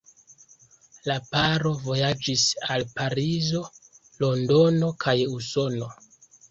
La paro vojaĝis al Parizo, Londono kaj Usono.